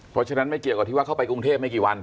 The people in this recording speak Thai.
เพราะฉะนั้นไม่เกี่ยวกับที่ว่าเข้าไปกรุงเทพไม่กี่วัน